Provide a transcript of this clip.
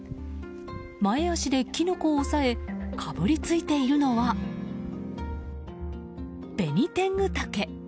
前脚でキノコを押さえかぶりついているのはベニテングタケ。